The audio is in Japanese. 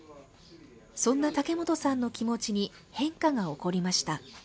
そんな竹本さんの気持ちに変化が起こりました。